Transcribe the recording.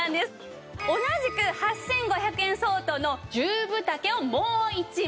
同じく８５００円相当の１０分丈をもう一枚。